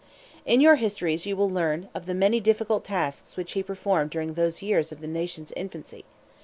In your histories you will learn of the many difficult tasks which he performed during those years of the nation's infancy.